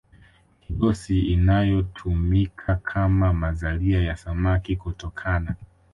kigosi inayotumika kama mazalia ya samaki kutokana